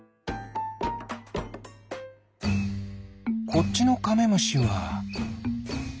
こっちのカメムシは。